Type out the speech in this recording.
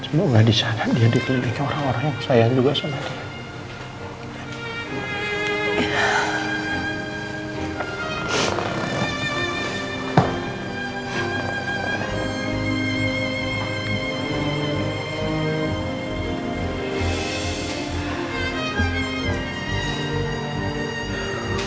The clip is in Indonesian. semoga di sana dia dikelilingi orang orang yang sayang juga sama dia